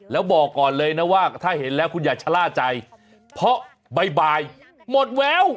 แล้วบอกก่อนเลยนะว่าถ้าเห็นแล้วคุณอย่าชะล่าใจเพราะบ่ายหมดแวว